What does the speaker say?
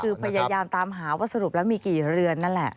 คือพยายามตามหาว่าสรุปแล้วมีกี่เรือนนั่นแหละ